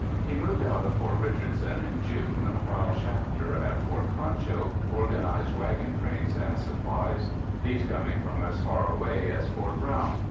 He moved out of Fort Richardson in June while Shafter at Fort Concho organized wagon trains and supplies, these coming from as far away as Fort Brown.